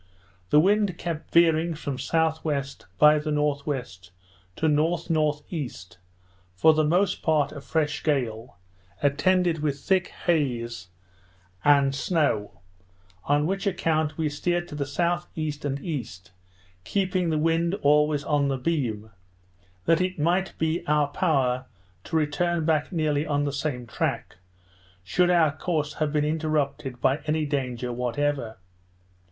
The wind kept veering from S.W. by the N.W. to N.N.E. for the most part a fresh gale, attended with a thick haze and snow; on which account we steered to the S.E. and E., keeping the wind always on the beam, that it might be in our power to return back nearly on the same track, should our course have been interrupted by any danger whatever.